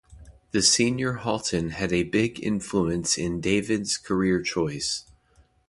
The senior Halton had a big influence in David's career choice.